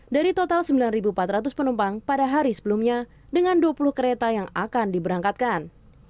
dari total sembilan empat ratus penumpang pada hari sebelumnya dengan dua puluh kereta yang akan diberangkatkan